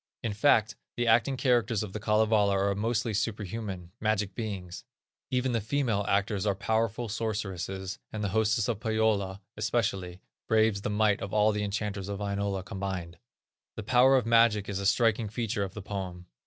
In fact, the acting characters of the Kalevala are mostly superhuman, magic beings. Even the female actors are powerful sorceresses, and the hostess of Pohyola, especially, braves the might of all the enchanters of Wainola combined. The power of magic is a striking feature of the poem.